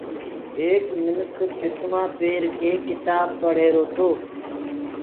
ايڪ منک چُشمآنٚ پيرڪي ڪتآب پڙه ريهروتو